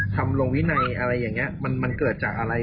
คำลงวินัยอะไรอย่างนี้มันเกิดจากอะไร